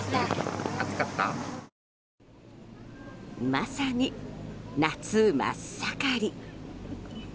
まさに夏真っ盛り。